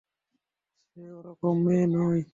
সে ওরকম মেয়ে নয়।